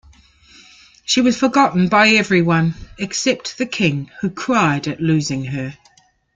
She was forgotten by everyone, except the King, who cried at losing her.